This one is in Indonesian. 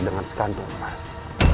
dengan sekantong emas